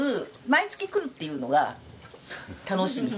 毎月来るっていうのが楽しみ。